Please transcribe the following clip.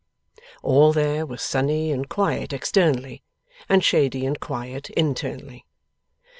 All there was sunny and quiet externally, and shady and quiet internally.